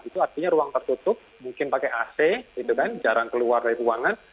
itu artinya ruang tertutup mungkin pakai ac gitu kan jarang keluar dari ruangan